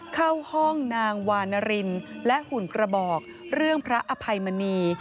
เข้าห้องนางวานรินและหุ่นกระบอกเรื่องพระอภัยมณี